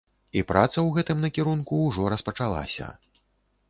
І праца ў гэтым накірунку ўжо распачалася.